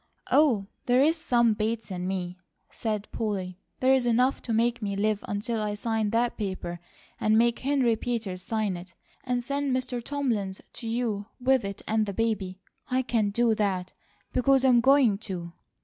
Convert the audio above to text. "Oh, there's SOME Bates in me," said Polly. "There's enough to make me live until I sign that paper, and make Henry Peters sign it, and send Mr. Thomlins to you with it and the baby. I can do that, because I'm going to!"